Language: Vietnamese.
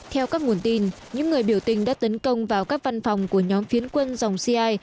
theo các nguồn tin những người biểu tình đã tấn công vào các văn phòng của nhóm phiến quân dòng cia